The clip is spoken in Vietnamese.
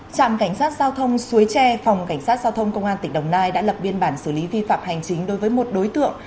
trạm cảnh sát giao thông suối tre phòng cảnh sát giao thông công an tỉnh đồng nai đã lập biên bản xử lý vi phạm hành chính đối với một đối tượng